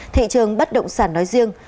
thị trường bất động sản nói riêng